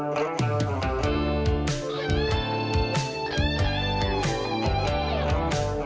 จับมือกันไปไม่กลัวใครพา